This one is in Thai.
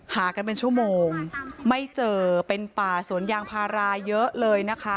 หากันเป็นชั่วโมงไม่เจอเป็นป่าสวนยางพาราเยอะเลยนะคะ